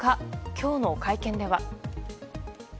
今日の会見では。